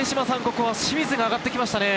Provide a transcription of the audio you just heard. ここは清水が上がってきましたね。